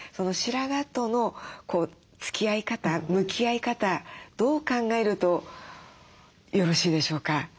白髪とのつきあい方向き合い方どう考えるとよろしいでしょうか？